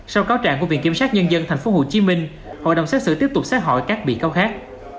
sau cáo trạng của viện kiểm sát nhân dân tp hcm hội đồng xét xử tiếp tục sát hỏi các bị cáo khác